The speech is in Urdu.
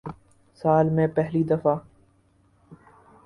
سال میں پہلی دفع